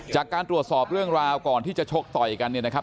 จากการตรวจสอบเรื่องราวก่อนที่จะชกต่อยกันเนี่ยนะครับ